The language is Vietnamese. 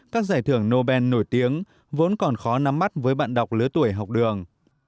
các giải thưởng nobel nổi tiếng vốn còn khó nắm mắt với bạn đọc lứa tuổi học đường